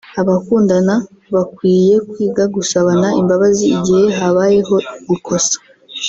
Abakundana bakwiye kwiga gusabana imbabazi igihe habayeho gukosa